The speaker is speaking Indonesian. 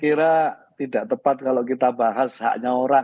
jadi saya kira tidak tepat kalau kita bahas haknya orang